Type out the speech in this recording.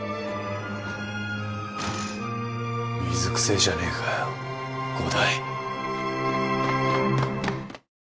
水くせえじゃねえかよ伍代。